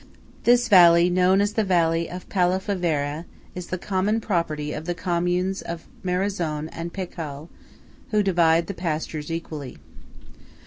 This valley, known as the valley of Pallafavera, is the common property of the Communes of Marezon and Pecol, who divide the pastures equally.